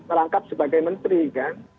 merangkap sebagai menteri kan